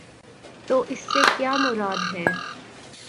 تو اس سے کیا مراد ہے؟